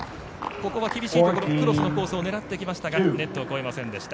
ここは厳しいところクロスのコースを狙っていきましたがネットを越えませんでした。